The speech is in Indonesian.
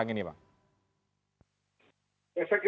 apa yang terjadi di lampas tanggung